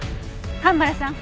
蒲原さん